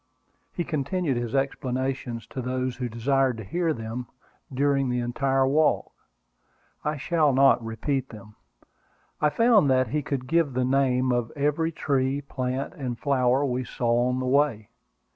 He continued his explanations to those who desired to hear them during the entire walk. I shall not repeat them. I found that he could give the name of every tree, plant, and flower we saw on the way.